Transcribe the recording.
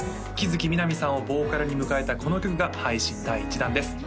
城南海さんをボーカルに迎えたこの曲が配信第１弾です